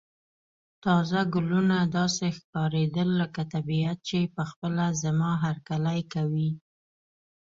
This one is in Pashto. تازه ګلونه داسې ښکاریدل لکه طبیعت چې په خپله زما هرکلی کوي.